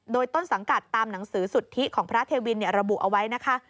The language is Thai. โดยต้นสังกัดตามหนังสือสุทธิของพระเทวินระบุเอาไว้นะคะ